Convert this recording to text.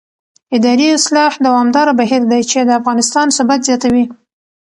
اداري اصلاح دوامداره بهیر دی چې د افغانستان ثبات زیاتوي